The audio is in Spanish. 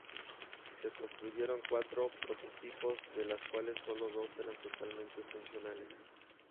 Se construyeron cuatro prototipos, de los cuales solo dos eran totalmente funcionales.